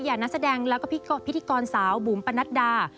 อย่างนักแสดงและพิธีกรสาวบุ๋มปนัดดา